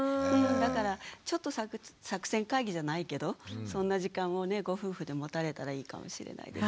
だからちょっと作戦会議じゃないけどそんな時間をご夫婦で持たれたらいいかもしれないですね。